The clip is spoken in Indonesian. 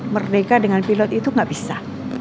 merdeka dengan pilot itu nggak bisa